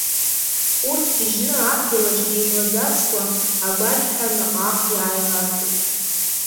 Урҭ гьежьны адгьыл аҿгьы имлаӡацкәа, агәақьҳәа наҟ-ааҟ иааиларҵеит.